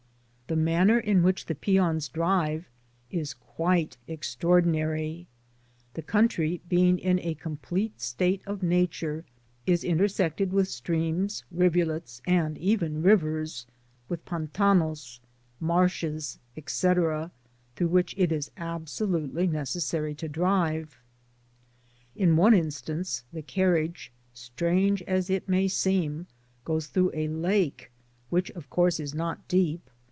The manner in which the peons drive is quite extraordinary. The country, being in a complete state of nature, is intersected with streams, rivulets, and even rivers, with pantanos (marshes), &c., through which it is absolutely necessary to drive. In one instance the carriage, strange as it may seem, goes through a lake, which of course is not deep.